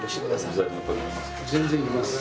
全然いけます。